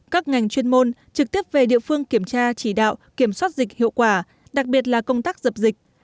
các ngành chuyên môn trực tiếp về địa phương kiểm tra chỉ đạo kiểm soát dịch hiệu quả đặc biệt là công tác dập dịch